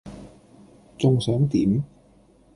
仲想點?